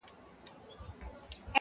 عزراییل به یې پر کور باندي مېلمه سي!.